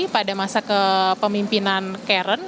pada masa kepemimpinan karen